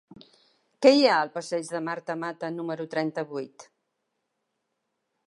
Què hi ha al passeig de Marta Mata número trenta-vuit?